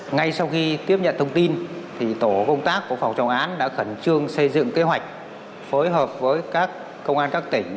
ngay sau khi tiếp nhận thông tin tổ công tác của phòng trọng án đã khẩn trương xây dựng kế hoạch phối hợp với các công an các tỉnh